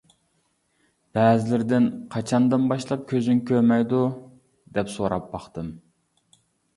بەزىلىرىدىن قاچاندىن باشلاپ كۆزۈڭ كۆرمەيدۇ؟ دەپ سوراپ باقتىم.